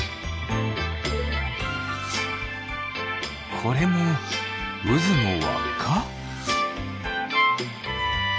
これもうずのわっか？